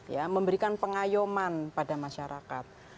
ya memberikan pengayuman pada masyarakat